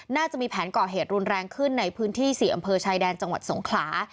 น่าจะมีแผนก่อเหตุรุนแรงขึ้นในพื้นที่๔อำเภอชายแดนจังหวัดสงขลา